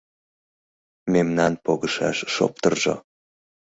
Мемнан погышаш шоптыржо